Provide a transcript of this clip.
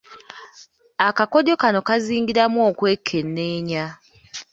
Akakodyo kano kaazingiramu okwekenneenya.